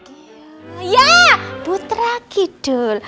iya putra kidul